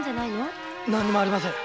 何もありません。